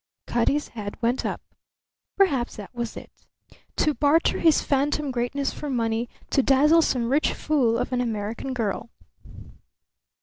Cutty's head went up. Perhaps that was it to barter his phantom greatness for money, to dazzle some rich fool of an American girl.